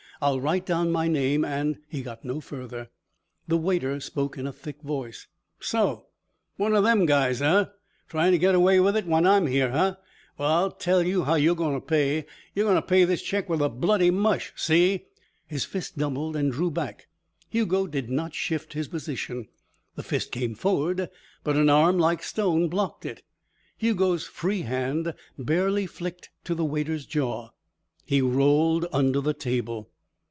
I'll write down my name and " He got no further. The waiter spoke in a thick voice. "So! One of them guys, eh? Tryin' to get away with it when I'm here, huh? Well, I tell you how you're gonna pay. You're gonna pay this check with a bloody mush, see?" His fist doubled and drew back. Hugo did not shift his position. The fist came forward, but an arm like stone blocked it. Hugo's free hand barely flicked to the waiter's jaw. He rolled under the table.